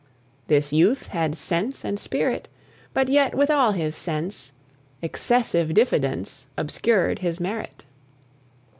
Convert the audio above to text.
This youth had sense and spirit; But yet with all his sense, Excessive diffidence Obscured his merit.